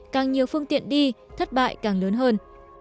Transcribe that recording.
càng nhiều phương tiện đi thất bại càng lớn hơn